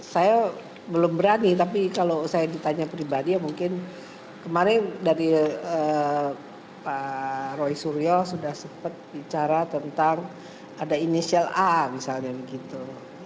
saya belum berani tapi kalau saya ditanya pribadi ya mungkin kemarin dari pak roy suryo sudah sempat bicara tentang ada inisial a misalnya begitu